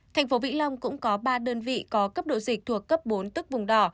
thành phố vĩnh long cũng có ba đơn vị có cấp độ dịch thuộc cấp bốn tức vùng đỏ